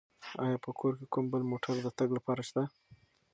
آیا په کور کې کوم بل موټر د تګ لپاره شته؟